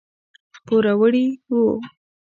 پوروړي وو.